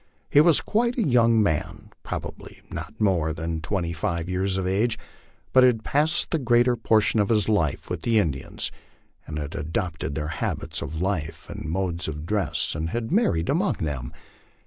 He was quite a young man, probably not more than twenty five years of age, but had passed the greater portion of his life with the Indians, had adopted their habits of life and modes of dress, and had married among them.